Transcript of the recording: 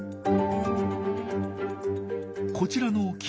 こちらの木の下。